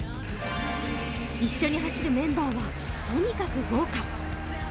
一緒に走るメンバーはとにかく豪華。